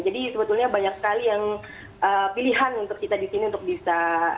sebetulnya banyak sekali yang pilihan untuk kita di sini untuk bisa